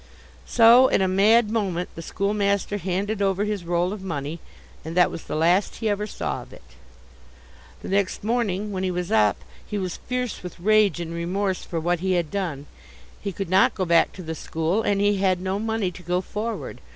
So, in a mad moment, the schoolmaster handed over his roll of money, and that was the last he ever saw of it. The next morning when he was up he was fierce with rage and remorse for what he had done. He could not go back to the school, and he had no money to go forward.